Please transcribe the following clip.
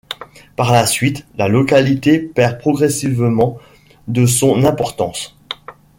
Par la suite, la localité perd progressivement de son importance.